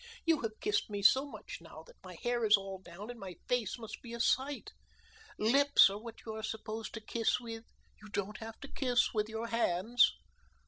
"You have kissed me so much now that my hair is all down, and my face must be a sight. Lips are what you are supposed to kiss with you don't have to kiss with your hands."